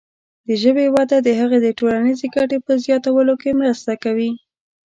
د ژبې وده د هغې د ټولنیزې ګټې په زیاتولو کې مرسته کوي.